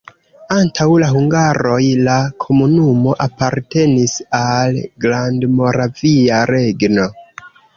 Antaŭ la hungaroj la komunumo apartenis al Grandmoravia Regno.